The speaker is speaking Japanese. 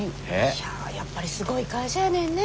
いややっぱりすごい会社やねんねえ。